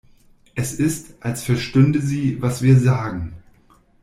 Es ist, als verstünde sie, was wir sagen.